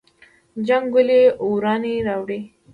جنګ ولې ورانی راوړي؟